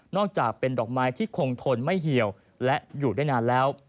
อกจากเป็นดอกไม้ที่คงทนไม่เหี่ยวและอยู่ได้นานแล้ว